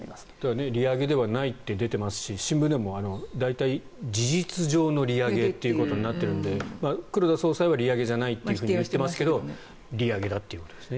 利上げではないと出ていますし、新聞でも大体、事実上の利上げとなっているので黒田総裁は利上げじゃないと言っていますが利上げだということですね。